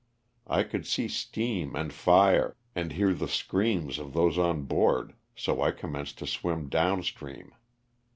I could see steam and fire and hear the screams of those on board, so I commenced to swim down stream.